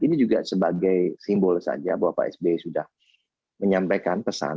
ini juga sebagai simbol saja bahwa pak sby sudah menyampaikan pesan